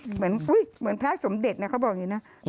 เหมือนอุ้ยเหมือนพระสมเด็จน่ะเขาบอกอย่างงี้เนี้ย